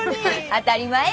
当たり前や。